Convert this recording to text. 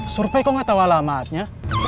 survei kok gak tahu alamatnya